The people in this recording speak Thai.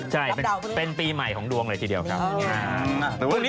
ใช่เป็นปีใหม่ของดวงเลยทีเดียวครับ